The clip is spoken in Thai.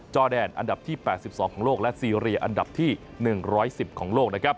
จอแดนอันดับที่๘๒ของโลกและซีเรียอันดับที่๑๑๐ของโลกนะครับ